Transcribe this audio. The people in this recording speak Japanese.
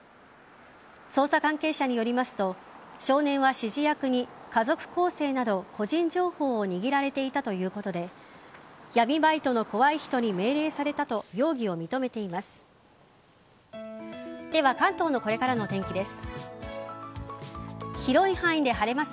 捜査関係者によりますと少年は指示役に家族構成など個人情報を握られていたということで闇バイトの怖い人に命令されたと容疑を認めています。